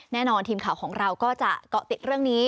แน่นอนทีมข่าวของเราก็จะเกาะติดเรื่องนี้